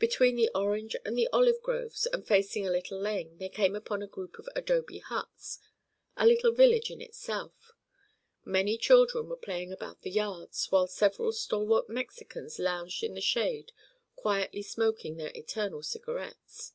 Between the orange and the olive groves, and facing a little lane, they came upon a group of adobe huts—a little village in itself. Many children were playing about the yards, while several stalwart Mexicans lounged in the shade quietly smoking their eternal cigarettes.